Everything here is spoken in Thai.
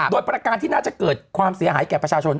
โดยประการที่น่าจะเกิดความเสียหายแก่ประชาชน